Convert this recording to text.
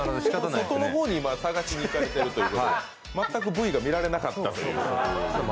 外の方に今探しに行かれているということで全くＶが見られなかったという。